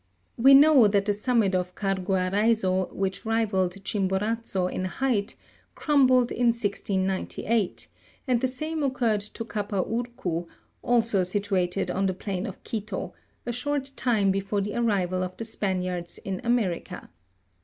We know that the summit of Carguarai'zo which rivalled Chimborazo in height, crumbled in 1698, and the same occurred to Capac TJrcu, also situated on the plane of Quito, a short time before the arrival of the Spaniards in America.